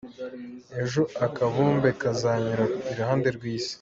Ejo akabumbe kazanyura iruhande rw’Isi